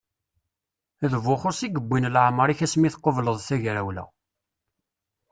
D Buxus i yewwin leɛmer-ik asmi tqubleḍ tagrawla.